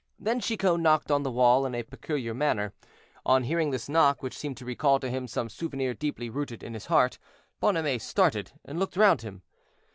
Then Chicot knocked on the wall in a peculiar manner. On hearing this knock, which seemed to recall to him some souvenir deeply rooted in his heart, Bonhomet started, and looked round him.